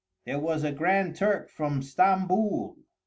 There was a Grand Turk from Stamboul.